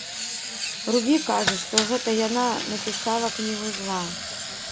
Рубі кажа, што гэта яна напісала кнігу зла.